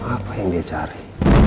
apa yang dia cari